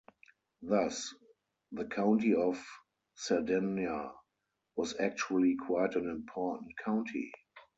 Thus, the county of Cerdanya was actually quite an important county.